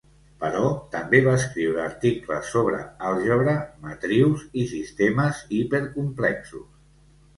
Però també va escriure articles sobre àlgebra, matrius i sistemes hipercomplexos.